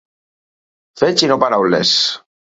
Fets i no paraules.